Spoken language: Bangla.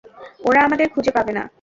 ওরা আমাদের খুঁজে পাবে না।